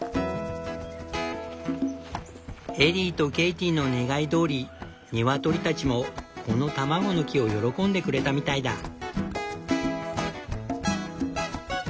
エリーとケイティの願いどおりニワトリたちもこの卵の木を喜んでくれたみたいだ。